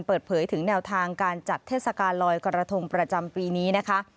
เปิดเผยถึงแนวทางการจัดเทศกาลลอยกระทงประจำปีนี้นะคะ